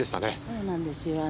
そうなんですよ。